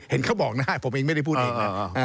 เห็นเขาบอกได้ผมเองไม่ได้พูดเองนะ